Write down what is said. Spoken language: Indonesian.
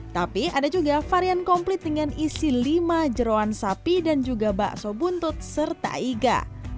tapi ada juga varian komplit dengan isi lima jerawan sapi dan juga bakso buntut serta iga